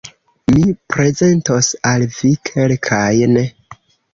Mi prezentos al vi kelkajn.